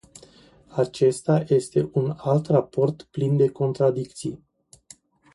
Acesta este un alt raport plin de contradicții.